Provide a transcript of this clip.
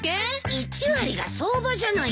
１割が相場じゃないか。